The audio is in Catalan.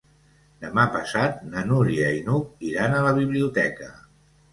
Demà passat na Núria i n'Hug iran a la biblioteca.